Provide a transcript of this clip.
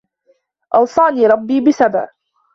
أَوْصَانِي رَبِّي بِسَبْعٍ